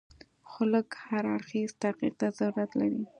خو لږ هر اړخیز تحقیق ته ضرورت لري.